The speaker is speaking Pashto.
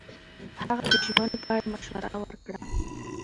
هغه د ژمنو په اړه مشوره ورکړه.